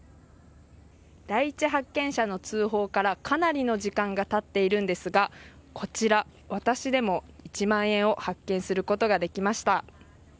第一発見者の通報からかなりの時間が経っているんですが、私でも１万円を発見することができました。